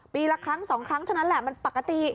ละครั้งสองครั้งเท่านั้นแหละมันปกติ